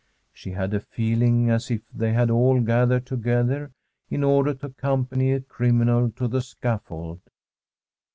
She had a feeling as if they had all gathered together in order to accompany a criminal to the scaffold.